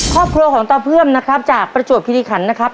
ครอบครัวของตาเพื่อมนะครับจากประจวบคิริขันนะครับ